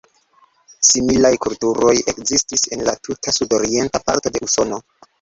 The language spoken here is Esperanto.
Similaj kulturoj ekzistis en la tuta sudorienta parto de Usono.